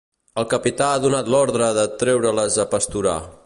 El capità ha donat l'ordre de treure-les a pasturar.